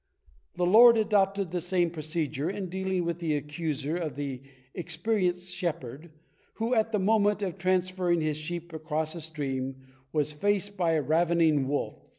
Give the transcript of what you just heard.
The Lord adopted the same procedure in dealing with the accuser as the experienced shepherd, who, at the moment of transferring his sheep across a stream, was faced by a ravening wolf.